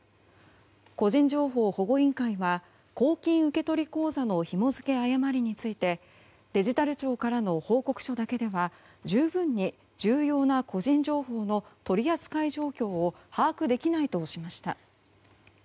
個人情報保護委員会は公金受取口座のひも付け誤りについてデジタル庁からの報告書だけでは十分に重要な個人情報の取り扱い状況を把握できないとしました。